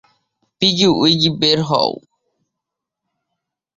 পিগি-উইগি, বের হও।